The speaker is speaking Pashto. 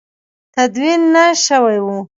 تدوین نه شوي وو.